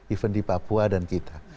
even di papua dan kita